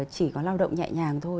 chỉ có lao động nhẹ nhàng thôi